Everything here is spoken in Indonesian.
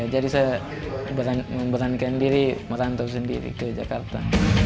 jadi saya memberanikan diri merantau sendiri ke jakarta